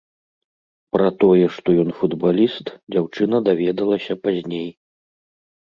Пра тое, што ён футбаліст, дзяўчына даведалася пазней.